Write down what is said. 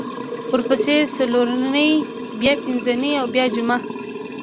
ورپسې څلورنۍ بیا پینځنۍ او بیا جمعه